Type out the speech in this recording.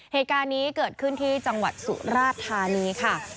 เหตุการณ์นี้เกิดขึ้นที่จังหวัดสุราธานีค่ะ